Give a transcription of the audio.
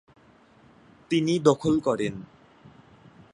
তিনি দখল করেন।